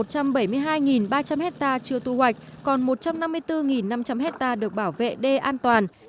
một trăm bảy mươi hai ba trăm linh hectare chưa thu hoạch còn một trăm năm mươi bốn năm trăm linh hectare được bảo vệ đê an toàn